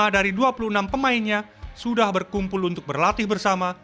lima dari dua puluh enam pemainnya sudah berkumpul untuk berlatih bersama